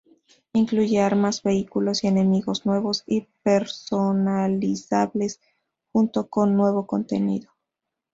Incluye armas, vehículos y enemigos nuevos y personalizables, junto con nuevo contenido.